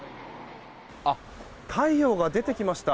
太陽が出てきました。